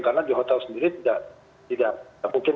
karena di hotel sendiri tidak mungkin